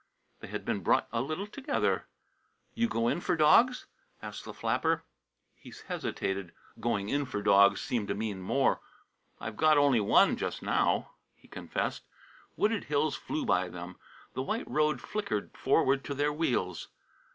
They had been brought a little together. "You go in for dogs?" asked the flapper. He hesitated. "Going in" for dogs seemed to mean more. "I've got only one just now," he confessed. Wooded hills flew by them, the white road flickered forward to their wheels.